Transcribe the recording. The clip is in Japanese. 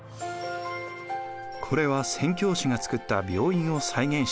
これは宣教師が作った病院を再現したもの。